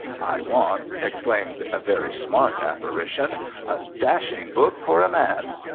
"I want," exclaimed a very smart apparition, "a dashing book for a man!"